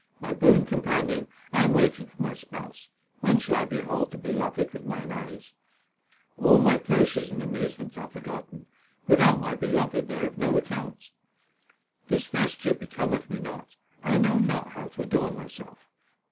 My boon companion, I am waiting for my Spouse ; when shall I behold the Beloved with mine eyes ? All my pleasures and amusements are forgotten ; without my Beloved they are of no account. This vesture becometh me not ; I know not how to adorn myself.